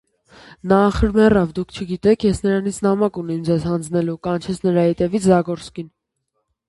- Նա ախր մեռավ, դուք չգիտեք, ես նրանից նամակ ունիմ ձեզ հանձնելու,- կանչեց նրա ետևից Զագորսկին: